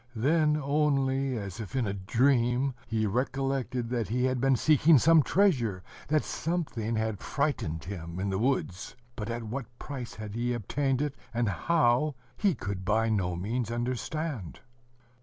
Then only, as if in a dream, he recollected that he had been seeking some treasure, that something had frightened him in the woods. ... But at what price he had obtained it, and how, he could by no means understand.